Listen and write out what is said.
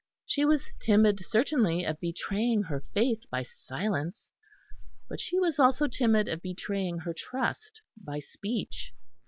She was timid certainly of betraying her faith by silence, but she was also timid of betraying her trust by speech.